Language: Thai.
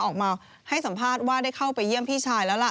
ออกมาให้สัมภาษณ์ว่าได้เข้าไปเยี่ยมพี่ชายแล้วล่ะ